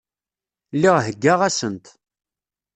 Lliɣ heggaɣ-asent.